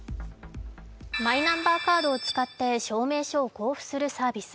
マイナンバーカードを使って証明書を交付するサービス。